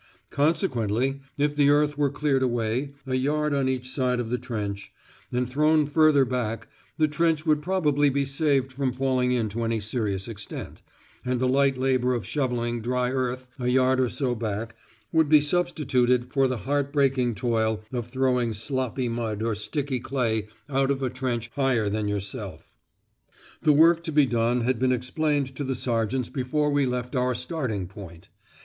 Consequently, if the earth were cleared away a yard on each side of the trench, and thrown further back, the trench would probably be saved from falling in to any serious extent, and the light labour of shovelling dry earth a yard or so back would be substituted for the heart breaking toil of throwing sloppy mud or sticky clay out of a trench higher than yourself. The work to be done had been explained to the sergeants before we left our starting point.